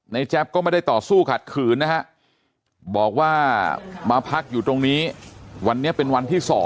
แจ๊บก็ไม่ได้ต่อสู้ขัดขืนนะฮะบอกว่ามาพักอยู่ตรงนี้วันนี้เป็นวันที่๒